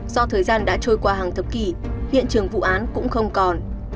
do thời gian đã trôi qua hàng thập kỷ hiện trường vụ án cũng không còn